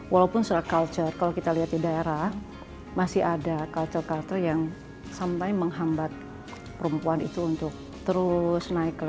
walaupun surat culture kalau kita lihat di daerah masih ada culture culture yang sampai menghambat perempuan itu untuk terus naik kelas